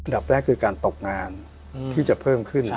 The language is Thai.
แรกคือการตกงานที่จะเพิ่มขึ้น